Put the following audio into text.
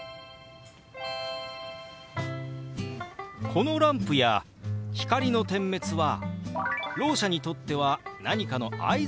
このランプや光の点滅はろう者にとっては何かの合図になるんでしたね。